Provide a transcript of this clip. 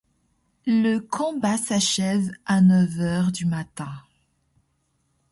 Le combat s'achève à neuf heures du matin.